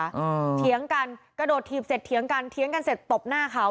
เถียงกันกระโดดถีบเสร็จเถียงกันเถียงกันเสร็จตบหน้าเขา